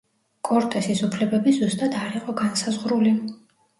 კორტესის უფლებები ზუსტად არ იყო განსაზღვრული.